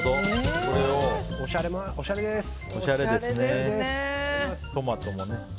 おしゃれですね。